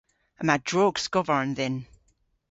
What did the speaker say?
Yma drog skovarn dhyn.